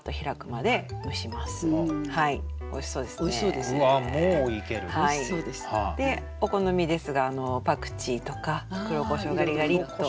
でお好みですがパクチーとか黒こしょうガリガリッと。